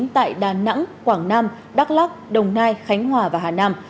tại đà nẵng quảng nam đắk lắc đồng nai khánh hòa và hà nam